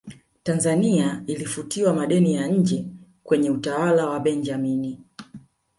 tanzania ilifutiwa madeni ya nje kwenye utawala wa benjamini